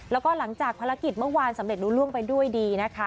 แล้วก็หลังจากภารกิจเมื่อวานสำเร็จรู้ล่วงไปด้วยดีนะคะ